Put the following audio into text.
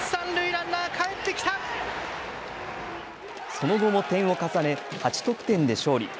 その後も点を重ね８得点で勝利。